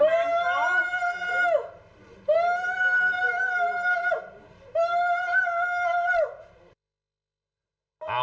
อย่าโทรมาอ้าว